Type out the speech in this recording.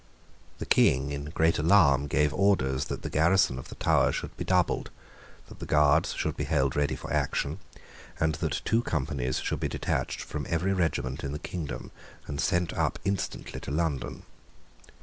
The King, in great alarm, gave orders that the garrison of the Tower should be doubled, that the Guards should be held ready for action, and that two companies should be detached from every regiment in the kingdom, and sent up instantly to London.